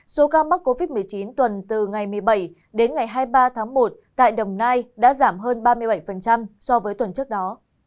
số ca mắc covid một mươi chín tuần từ ngày một mươi bảy đến ngày hai mươi ba tháng một tại đồng nai đã giảm hơn ba mươi bảy so với tuần trước đó